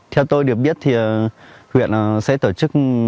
theo tôi được biết thì huyện sẽ tổ chức